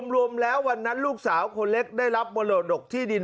รวมนั้นลูกสาวคนเล็กได้รับบรรโดรกศ์ที่ดิน